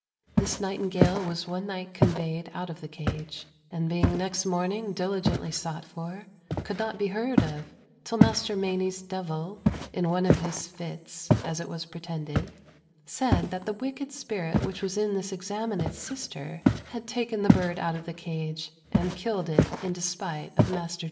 This nightingale was one night conveyed out of the cage, and being next morning diligently sought for, could not be heard of, till Maister Mainie's devil, in one of his fits (as it was pretended), said that the wicked spirit which was in this examinate's sister had taken the bird out of the cage, and killed it in despite of Maister Dibdale."